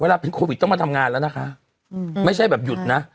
เป็นโควิดต้องมาทำงานแล้วนะคะไม่ใช่แบบหยุดนะ